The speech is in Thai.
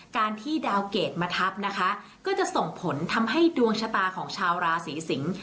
การที่ดาวเกรดมาทับนะคะก็จะส่งผลทำให้ดวงชะตาของชาวราศีสิงศ์